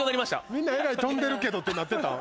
みんなえらい飛んでるけどってなってたん？